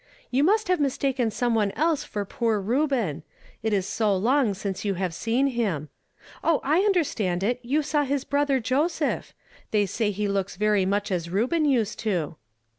You must have mistaken some one else for poor Reuben ; it is so long since you have seen him. Oh, I understand it, you saw his brother Joseph ; they say he looks very much as Reuben used to."